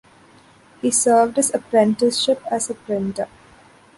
He served his apprenticeship as a printer.